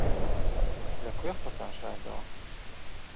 لەکوێ خۆتان شاردەوە؟